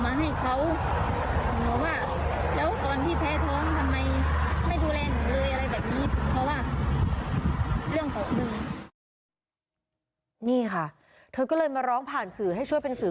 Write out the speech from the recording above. แม่เขาไปกู้มาเพื่อมาแต่งงานให้หนู